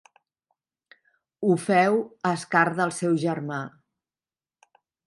Ho feu a escarn del seu germà.